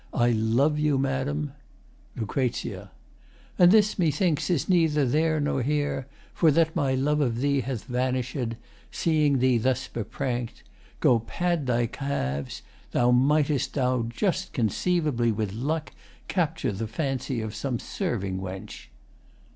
I love you, Madam. LUC. And this, methinks, is neither there nor here, For that my love of thee hath vanished, Seeing thee thus beprankt. Go pad thy calves! Thus mightst thou, just conceivably, with luck, Capture the fancy of some serving wench.